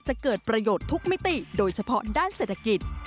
จะเกิดประโยชน์ทุกมิติโดยเฉพาะด้านเศรษฐกิจ